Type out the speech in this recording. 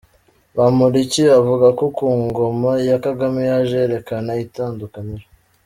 Bamporiki avuga ko ku ngoma ya Kagame yaje yerekana itandukaniro.